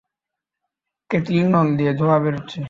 কেতলির নল দিয়ে ধোঁয়া বেরুচ্ছে।